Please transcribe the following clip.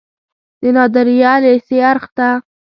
د نادریه لیسې اړخ ته و.